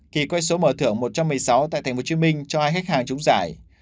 kỳ quay số mở thưởng một trăm một mươi sáu tại tp hcm cho hai khách hàng trúng giải